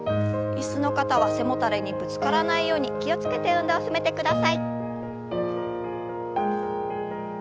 椅子の方は背もたれにぶつからないように気を付けて運動を進めてください。